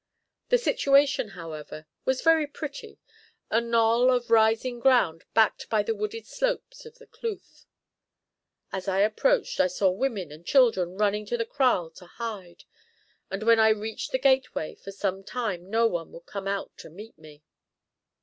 The situation, however, was very pretty, a knoll of rising ground backed by the wooded slopes of the kloof. As I approached I saw women and children running to the kraal to hide, and when I reached the gateway for some time no one would come out to meet me.